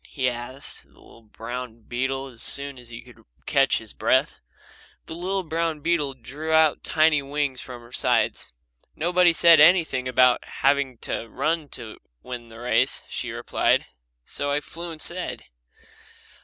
he asked the little brown beetle as soon as he could catch his breath. The little brown beetle drew out the tiny wings from her sides. "Nobody said anything about having to run to win the race," she replied, "so I flew instead."